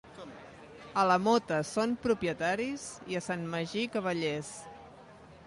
A la Mota són propietaris i a Sant Magí cavallers.